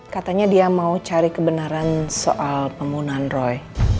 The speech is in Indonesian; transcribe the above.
katanya dia mau cari kebenaran soal pembunuhan roy